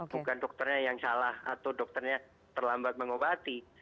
bukan dokternya yang salah atau dokternya terlambat mengobati